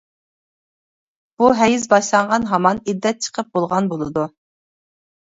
بۇ ھەيز باشلانغان ھامان ئىددەت چىقىپ بولغان بولىدۇ.